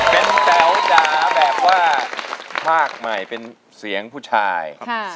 เป็นแต๋วจ๋าแบบว่าภาคใหม่เป็นเสียงผู้ชาย